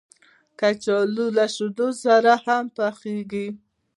کچالو له شیدو سره هم پخېږي